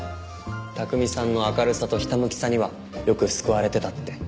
拓海さんの明るさとひたむきさにはよく救われてたって。